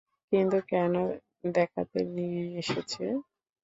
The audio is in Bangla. কিন্তু কেন দেখাতে নিয়ে এসেছে?